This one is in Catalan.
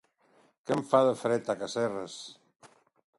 Que en fa de fred, a Casserres!